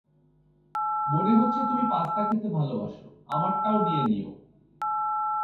মনে হচ্ছে তুমি পাস্তা খেতে ভালোবাসো, আমারটাও খেয়ে নিও।